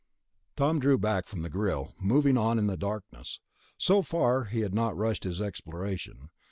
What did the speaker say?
Tom drew back from the grill, moving on in the darkness. So far he had not rushed his exploration